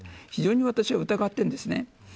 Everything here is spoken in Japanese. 非常に私は疑っているんです。